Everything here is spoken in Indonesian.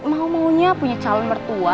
mau maunya punya calon mertua